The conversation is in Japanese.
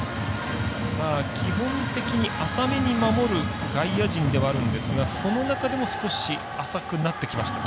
基本的に浅めに守る外野陣ではあるんですがその中でも少し浅くなってきました。